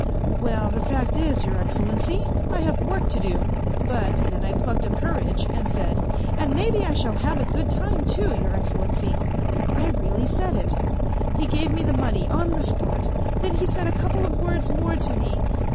"' Well, the fact is, Your Excellency, I have work to do,' but then I plucked up courage and said :' and maybe I shall have a good time, too, Your Excellency.' I really said it. He gave me the money, on the spot, then he said a couple of words more to me.